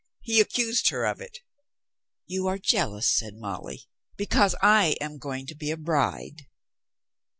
He accused her of it. "You are jealous," said Molly, "because I am going to be a bride."